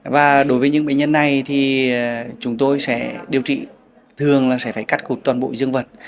và đối với những bệnh nhân này thì chúng tôi sẽ điều trị thường là sẽ phải cắt cụt toàn bộ dương vật